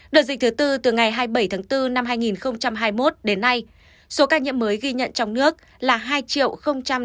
đợt dịch thứ bốn từ ngày hai mươi bảy tháng bốn năm hai nghìn hai mươi một đến nay số ca nhiễm mới ghi nhận trong nước là hai tám mươi tám hai trăm chín mươi năm ca